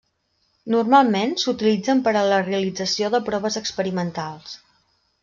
Normalment s'utilitzen per a la realització de proves experimentals.